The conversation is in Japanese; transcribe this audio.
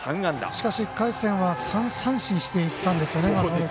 しかし１回戦は３三振していったんですよね。